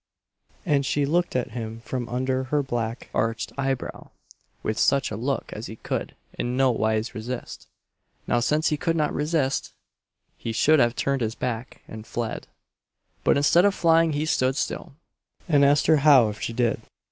And she looked at him from under her black arched eye brow with such a look as he could in no wise resist. Now, since he could not resist, he should have turned his back and fled; but instead of flying he stood still, and asked her how she did.